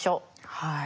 はい。